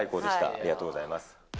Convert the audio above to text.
ありがとうございます。